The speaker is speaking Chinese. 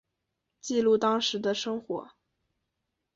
记录当时的生活